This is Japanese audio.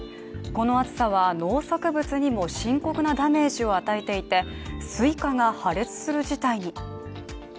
この暑さは農作物にも深刻なダメージを与えていて、スイカが破裂する事態に。